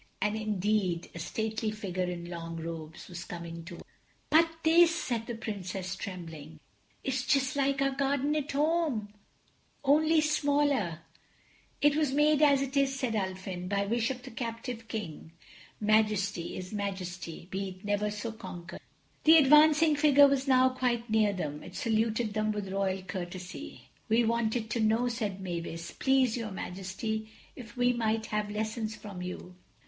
And indeed a stately figure in long robes was coming toward them. "But this," said the Princess, trembling, "is just like our garden at home, only smaller." "It was made as it is," said Ulfin, "by wish of the captive King. Majesty is Majesty, be it never so conquered." The advancing figure was now quite near them. It saluted them with royal courtesy. "We wanted to know," said Mavis, "please, your Majesty, if we might have lessons from you."